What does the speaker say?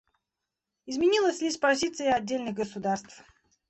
Изменилась лишь позиция отдельных государств.